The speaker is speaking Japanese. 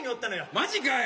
マジかい！